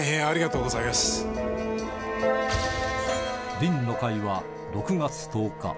凛の会は６月１０日